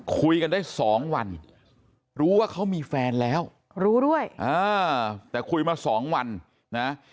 คุยกันได้สองวันรู้ว่าเขามีแฟนแล้วรู้ด้วยแต่คุยมาสองวันนะ